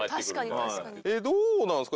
どうなんすか？